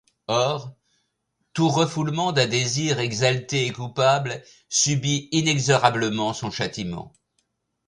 Or, tout refoulement d'un désir exalté et coupable subit inexorablement son châtiment.